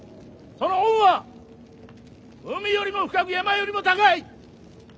その恩は海よりも深く山よりも高い！